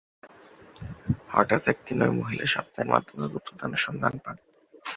হঠাৎ একদিন ঐ মহিলা স্বপ্নের মাধ্যমে গুপ্তধনের সন্ধান পান।